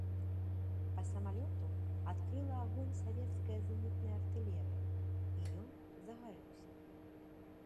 Па самалёту адкрыла агонь савецкая зенітная артылерыя, і ён загарэўся.